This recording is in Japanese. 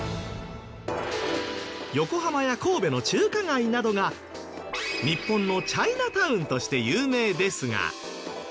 横浜や神戸の中華街などが日本のチャイナタウンとして有名ですが。